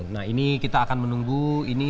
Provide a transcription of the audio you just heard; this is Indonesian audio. nah ini kita akan menunggu ini